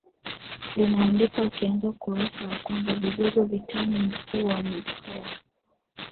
linaandika ukianza ukurasa wa kwanza vigogo vitani ukuu wa mikoa